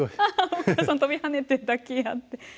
お母さん跳びはねて抱き合って。